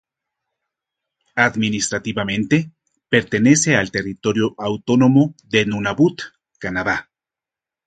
Administrativamente, pertenece al territorio autónomo de Nunavut, Canadá.